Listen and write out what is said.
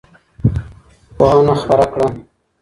پوهنه خپره کړه.